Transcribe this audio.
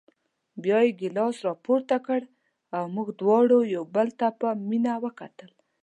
بیا یې ګیلاس راپورته کړ او موږ دواړو یو بل ته په مینه وکتل.